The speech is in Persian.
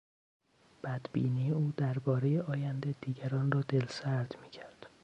بدبینی او دربارهی آینده دیگران را دلسرد میکرد.